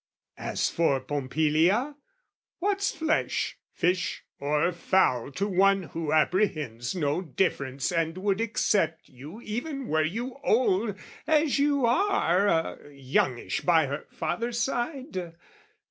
"As for Pompilia, what's flesh, fish, or fowl "To one who apprehends no difference, "And would accept you even were you old "As you are...youngish by her father's side?